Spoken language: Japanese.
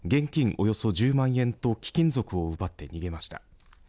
およそ１０万円と貴金属を奪って逃げました。